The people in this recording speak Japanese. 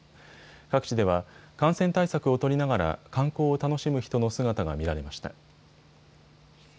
各地では感染対策を取りながら観光を楽しむ人の姿が見られました。